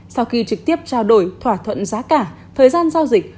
sau khi trực tiếp trao đổi thỏa thuận giá cả thời gian giao dịch